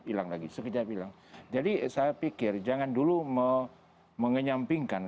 hilang lagi sekejap bilang jadi saya pikir jangan dulu mengenyampingkan